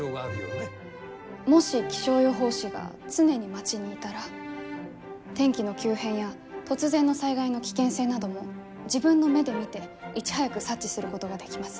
もし気象予報士が常に町にいたら天気の急変や突然の災害の危険性なども自分の目で見ていち早く察知することができます。